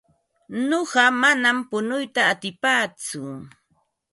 Nuqa manam punuyta atipaatsu.